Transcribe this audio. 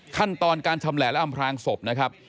ขั้นตอนการชำแหละและอำพลางศพนะครับ